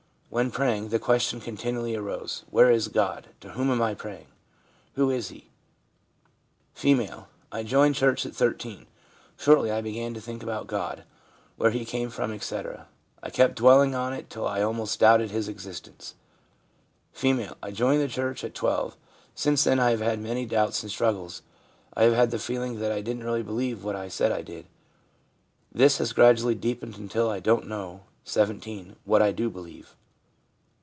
When praying, the question continually arose, " Where is God, to whom I am praying ? Who is He ?"' F. ' I joined church at 13. Shortly I began to think about God — where He came from, etc. I kept dwelling on it till I almost doubted His existence/ F. * I joined church at 12. Since then I have had many doubts and struggles. I have had the feeling that I didn't really believe what I said I did. This has gradually deepened until I don't know (17) what I do believe.'